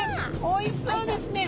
おいしそうですね。